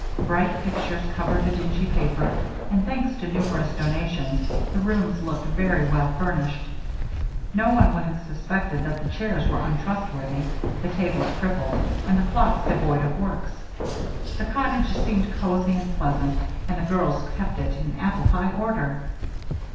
Bright pictures covered the dingy paper, and, thanks to numerous donations, the rooms looked very well furnished. No one would have suspected that the chairs were untrustworthy, the tables crippled, and the clocks devoid of works. The cottage seemed cozy and pleasant, and the girls kept it in apple pie order.